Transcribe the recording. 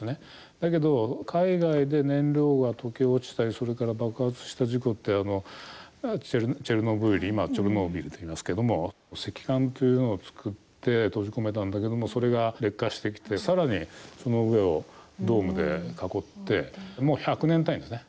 だけど、海外で燃料が溶け落ちたりそれから爆発した事故ってチェルノブイリ、今はチョルノービリといいますけども石棺というのを造って閉じ込めたんだけどもそれが劣化してきてさらにその上をドームで囲ってもう１００年単位ですね。